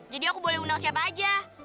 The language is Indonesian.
jadi aku boleh undang siapa aja